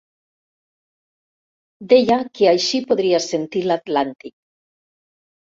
Deia que així podria sentir l'Atlàntic.